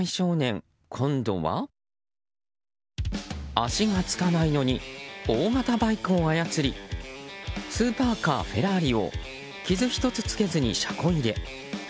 足がつかないのに大型バイクを操りスーパーカー、フェラーリを傷１つつけずに車庫入れ。